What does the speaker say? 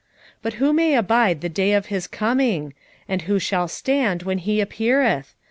3:2 But who may abide the day of his coming? and who shall stand when he appeareth?